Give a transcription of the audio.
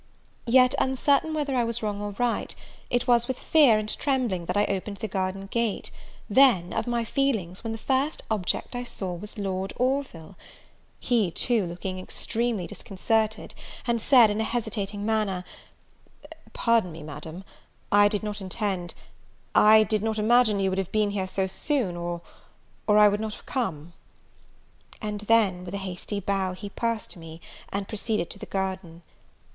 Yet, uncertain whether I was wrong or right, it was with fear and trembling that I opened the garden gate; judge then, of my feelings, when the first object I saw was Lord Orville! he, too, looked extremely disconcerted, and said, in a hesitating manner, "Pardon me, Madam, I did not intend, I did not imagine you would have been here so soon or or I would not have come." And then, with a hasty bow, he passed me, and proceeded to the garden.